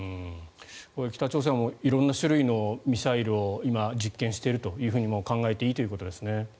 北朝鮮は色んな種類のミサイルを今、実験していると考えていいということですね。